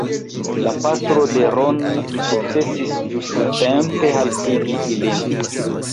La patro de Ron sukcesis ĝustatempe haltigi ilin.